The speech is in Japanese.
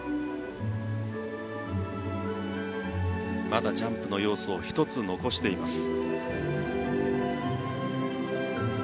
まだジャンプの要素を１つ残しています。